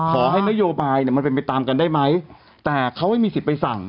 ขอให้นโยบายเนี่ยมันเป็นไปตามกันได้ไหมแต่เขาไม่มีสิทธิ์ไปสั่ง